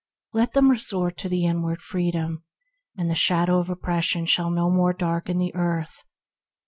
Let them resort to the inward Freedom, and the shadow of oppression shall no more darken the earth.